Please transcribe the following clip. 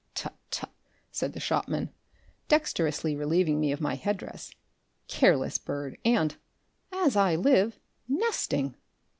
"Tut, tut!" said the shopman, dexterously relieving me of my headdress; "careless bird, and as I live nesting!"